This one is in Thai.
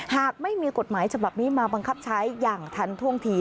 หากไม่มีกฎหมายฉบับนี้มาบังคับใช้อย่างทันท่วงที